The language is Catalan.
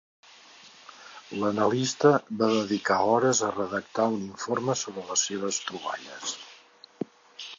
L'analista va dedicar hores a redactar un informe sobre les seves troballes.